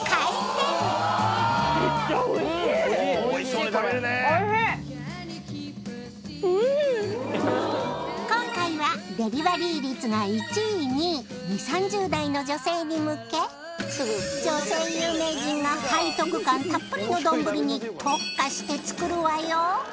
そこで今回はデリバリー率が１位２位２０３０代の女性に向け女性有名人が背徳感たっぷりの丼に特化して作るわよ！